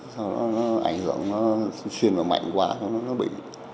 sau đó nó ảnh hưởng nó xuyên vào mạnh quá cho nó bị